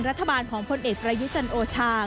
รัฐบาลของพลเอกประยุจันทร์โอชา